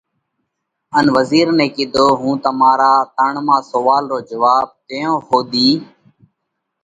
ان وزِير نئہ ڪِيڌو: هُون تمارا ترڻما سوئال رو جواٻ تئيون ۿُوڌِي